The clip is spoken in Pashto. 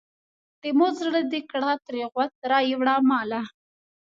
د مور زړه دې کړه ترې غوڅ رایې وړه ماله.